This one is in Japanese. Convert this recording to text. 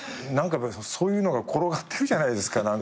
何かそういうのが転がってるじゃないですか。